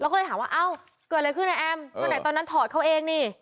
แล้วก็เลยถามว่าเอ้าเกิดอะไรขึ้นไอแอมคนไหนตอนนั้นถอดเขาเองนี่